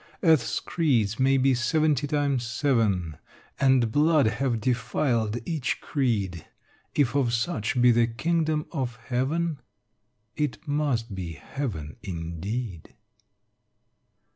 Earth's creeds may be seventy times seven And blood have defiled each creed: If of such be the kingdom of heaven, It must be heaven indeed.